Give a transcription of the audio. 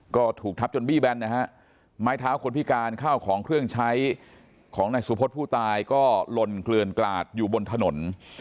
ก็ถูกทับจนบี้แบนนะฮะไม้เท้าคนพิการข้าวของเครื่องใช้ของนายสุพธิ์ผู้ตายก็ลนเกลือนกลาดอยู่บนถนน